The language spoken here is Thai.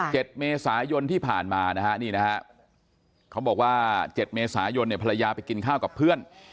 เมษายนที่ผ่านมานะฮะนี่นะฮะเขาบอกว่าเจ็ดเมษายนเนี่ยภรรยาไปกินข้าวกับเพื่อน